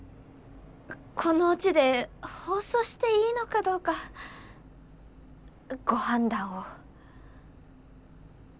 このオチで放送していいのかどうかご判断を。